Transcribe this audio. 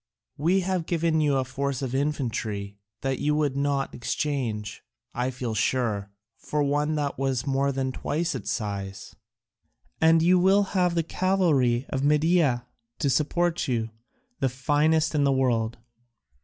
We have given you a force of infantry that you would not exchange, I feel sure, for one that was more than twice its size; and you will have the cavalry of Media to support you, the finest in the world.